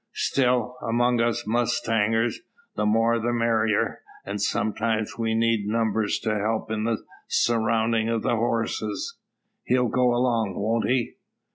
Still, among us mustangers, the more the merrier; and, sometimes we need numbers to help in the surroundin' o' the horses. He'll go along, won't he?"